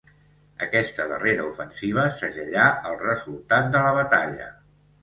Aquesta darrera ofensiva segellà el resultat de la batalla.